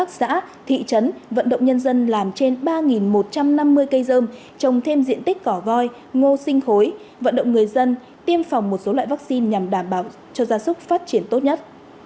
cùng với đó là huyện chỉ đạo các xã thị trấn vận động nhân dân làm trên ba một trăm năm mươi cây dơm trồng thêm diện tích cỏ goi ngô sinh khối vận động người dân tiêm phòng một số loại vaccine nhằm đảm bảo cho gia súc phát triển tốt nhất